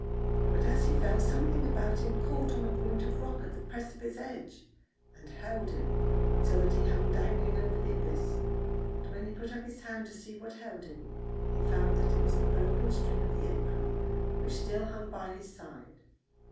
But as he fell, something about him caught on a point of rock at the precipice edge, and held him, so that he hung dangling over the abyss; and when he put up his hand to see what held him, he found that it was the broken string of the apron, which still hung by his side.